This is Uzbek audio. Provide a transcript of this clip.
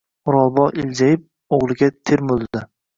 O’rolboy iljayib, o‘g‘liga termuldi